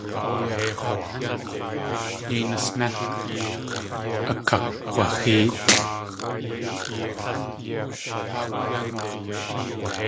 Akakg̲waxéelʼ.